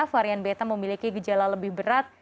varian beta memiliki gejala lebih berat